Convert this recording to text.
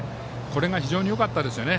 これが非常によかったですよね。